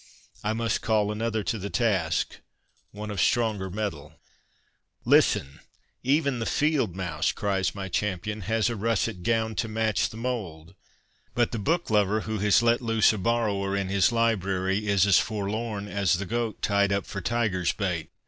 I must call another to the task — one of stronger metal. Listen !' Even the fieldmouse,' cries my cham pion, ' has a russet gown to match the mould, but the book lover who has let loose a borrower in his library is as forlorn as the goat tied up for tiger's bait.